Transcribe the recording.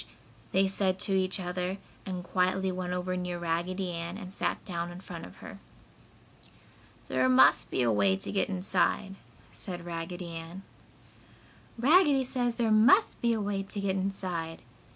"Sh! Sh!" they said to each other and quietly went over near Raggedy Ann and sat down in front of her. "There must be a way to get inside," said Raggedy Ann. "Raggedy says there must be a way to get inside!"